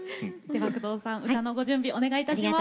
では工藤さん歌のご準備お願いいたします。